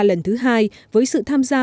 lần thứ hai với sự tham gia